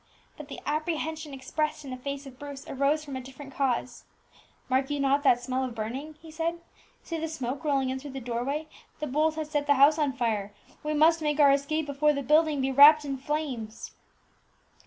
But the apprehension expressed in the face of Bruce arose from a different cause. "Mark you not that smell of burning?" he said. "See the smoke rolling in through the doorway; the bolt has set the house on fire; we must make our escape before the building be wrapped in flames!"